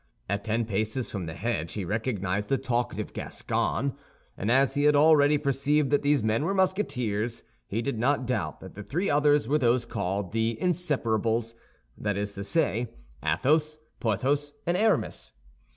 At ten paces from the hedge he recognized the talkative Gascon; and as he had already perceived that these men were Musketeers, he did not doubt that the three others were those called the Inseparables; that is to say, Athos, Porthos, and Aramis.